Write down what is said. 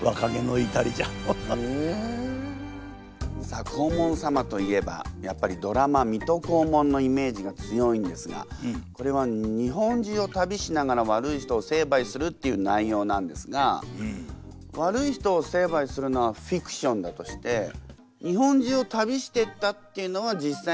さあ黄門様といえばやっぱりドラマ「水戸黄門」のイメージが強いんですがこれは日本中を旅しながら悪い人を成敗するっていう内容なんですが悪い人を成敗するのはフィクションだとしてええ！？